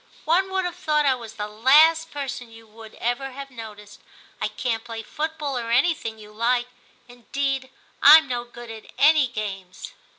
One would have thought I was the last person you would ever have noticed. I can't play foot ball, or anything you like; indeed, Fm no good at any games.'